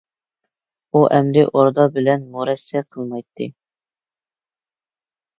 ئۇ ئەمدى ئوردا بىلەن مۇرەسسە قىلمايتتى.